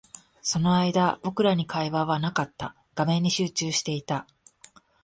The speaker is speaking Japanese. その間、僕らに会話はなかった。画面に集中していた。